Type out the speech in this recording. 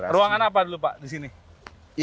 ruangan apa dulu pak di sini